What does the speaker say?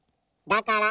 「だから」